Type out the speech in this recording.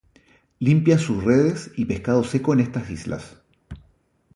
Limpian sus redes y pescado seco en estas islas.